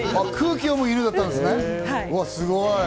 空気を読む犬だったんですね、すごい！